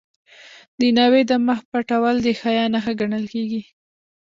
د ناوې د مخ پټول د حیا نښه ګڼل کیږي.